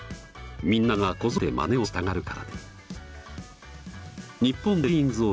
みんながこぞってまねをしたがるからです。